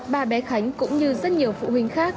bà bé khánh cũng như rất nhiều phụ huynh khác